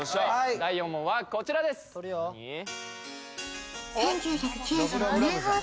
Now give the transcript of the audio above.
第４問はこちらですとるよ